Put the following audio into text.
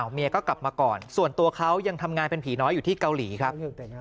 เมียก็กลับมาก่อนส่วนตัวเขายังทำงานเป็นผีน้อยอยู่ที่เกาหลีครับ